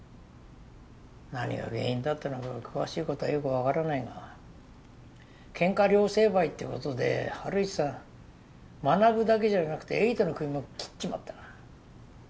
何が原因だったのか詳しいことはよくわからないが喧嘩両成敗ってことでハルイチさんマナブだけじゃなくてエイトのクビも切っちまった。